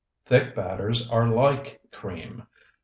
Thick batters are like cream.